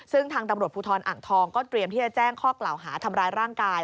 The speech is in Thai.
ซึ่งทางตำรวจภูทรอ่างทองก็เตรียมที่จะแจ้งข้อกล่าวหาทำร้ายร่างกาย